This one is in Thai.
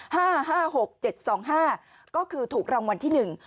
ห้าห้าหกเจ็ดสองห้าก็คือถูกรางวัลที่หนึ่ง